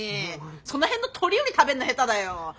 その辺の鳥より食べんの下手だよ。